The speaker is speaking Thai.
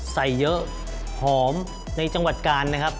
ใส่เยอะหอมในจังหวัดกาลนะครับ